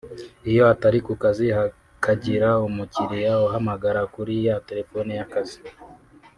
iyo atari ku kazi hakagira umukiliya uhamagara kuri ya terefone y’akazi